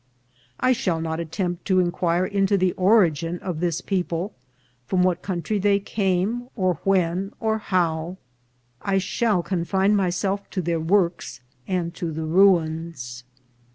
I shall not attempt to inquire into the origin of this people, from what country they came, or when, or how ; I shall confine myself to their works and to the ruins.